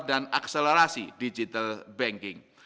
dan akselerasi digital banking